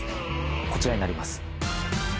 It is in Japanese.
こちらになります。